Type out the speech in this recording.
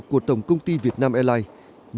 của tổng công ty việt nam airlines